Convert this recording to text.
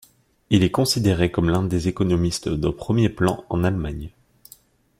Il est considéré comme l'un des économistes de premier plan en Allemagne.